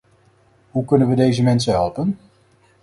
Hoe kunnen we deze mensen helpen?